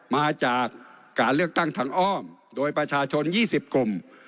มาจากการเลือกตั้งทางอ้อมโดยประชาชน๒๐กลุ่ม